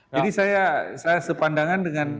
jadi saya sepandangan